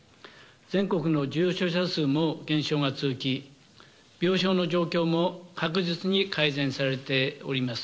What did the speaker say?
全国の重症者数も減少が続き、病床の状況も確実に改善されております。